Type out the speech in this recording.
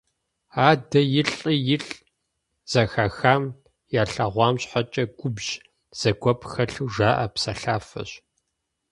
«Адэ илӏи-илӏ» - зэхахам, ялъэгъуам щхьэкӀэ губжь, зэгуэп хэлъу жаӀэ псэлъафэщ.